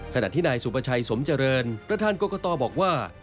ขณะที่นายสุประชัยสมเจริญประธานกรกตบอกว่า